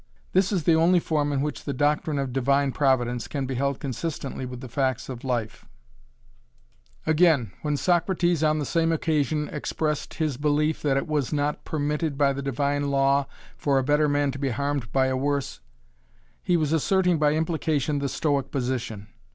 This is the only form in which the doctrine of divine providence can be held consistently with the facts of life Again, when Socrates on the same occasion expressed his belief that it was not "permitted by the divine law for a better man to be harmed by a worse", he was asserting by implication the Stoic position.